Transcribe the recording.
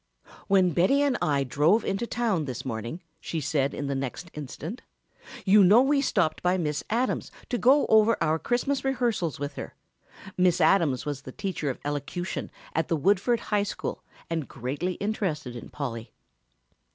"When Betty and I drove into town this morning," she said in the next instant, "you know we stopped by Miss Adams' to go over our Christmas rehearsals with her." (Miss Adams was the teacher of elocution at the Woodford High School and greatly interested in Polly.)